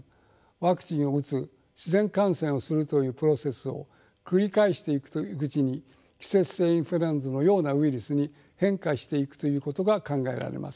ワクチンを打つ自然感染をするというプロセスを繰り返していくうちに季節性インフルエンザのようなウイルスに変化していくということが考えられます。